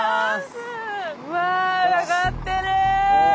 うわ上がってる！